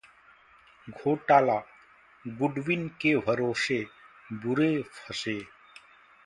घोटालाः Goodwin के भरोसे बुरे फंसे